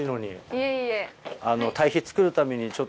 いえいえ。